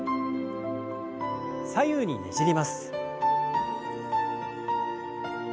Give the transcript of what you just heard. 左右にねじります。